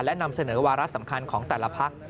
และนำเสนอวาระสำคัญของแต่ละพัก